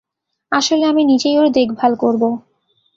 আসলে, আমি নিজেই ওর দেখভাল করবো।